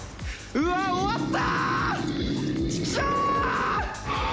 うわ終わった！